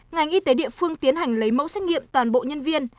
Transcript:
ngành y tế địa phương tiến hành lấy mẫu xét nghiệm toàn bộ nhân viên